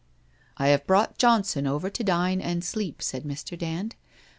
' I have brought Johnson over to dine and sleep,' said Mr. Dand.